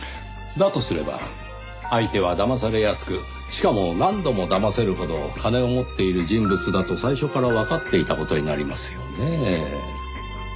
だとすれば相手はだまされやすくしかも何度もだませるほど金を持っている人物だと最初からわかっていた事になりますよねぇ。